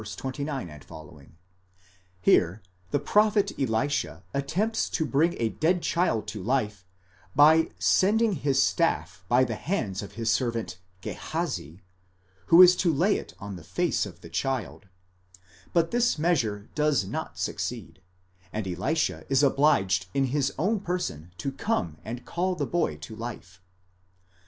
29 ff Here the prophet Elisha attempts to bring a dead child to life, by sending his staff by the hands of his servant Gehazi, who is to lay it on the face of the child; but this measure does not succeed, and Elisha is obliged in his own person to come and call the boy to life.